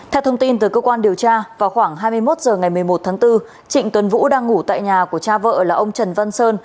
theo thông tin từ cơ quan điều tra vào khoảng hai mươi một h ngày một mươi một tháng bốn trịnh tuấn vũ đang ngủ tại nhà của cha vợ là ông trần văn sơn